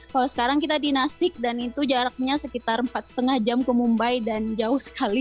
kalau sekarang kita di nasik dan itu jaraknya sekitar empat lima jam ke mumbai dan jauh sekali